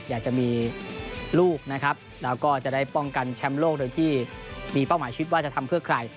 อยากจะมีลูกนะครับแล้วก็จะได้ป้องกันแชมป์โลกโดยที่มีเป้าหมายชีวิตว่าจะทำเพื่อใคร